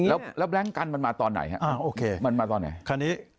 แล้วแบงก์กันมันมาตอนไหนมันมาตอนไหน